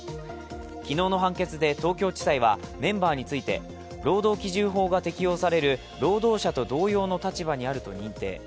昨日の判決で、東京地裁はメンバーについて労働基準法が適用される労働者と同様の立場にあると認定。